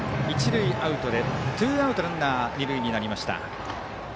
一塁アウトで、ツーアウトランナー、二塁になりました。